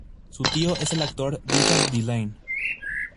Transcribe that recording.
Su tío es el actor Richard Dillane.